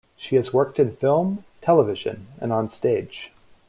She has worked in film, television and on stage.